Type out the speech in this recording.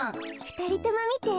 ふたりともみて！